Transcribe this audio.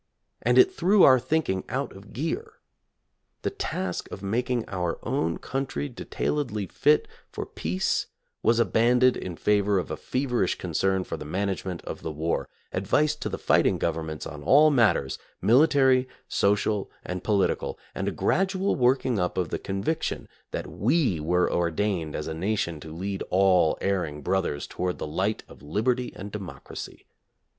And it threw our thinking out of gear. The task of making our own country de tailedly fit for peace was abandoned in favor of a feverish concern for the management of the war, advice to the fighting governments on all matters, military, social and political, and a gradual work ing up of the conviction that we were ordained as a nation to lead all erring brothers towards the light of liberty and democracy.